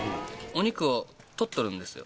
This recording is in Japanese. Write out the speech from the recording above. お肉を取っとるんですよ。